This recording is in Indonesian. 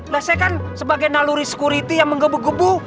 loh saya kan sebagai naluri sekuriti yang menggebu gebu